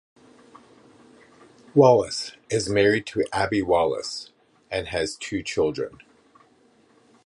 Wallis is married to Abbi Wallis and has two children.